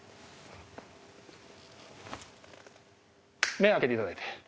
目を開けていただいて。